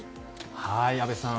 阿部さん